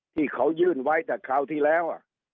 ที่เขายื่นไว้แต่คราวที่แล้ว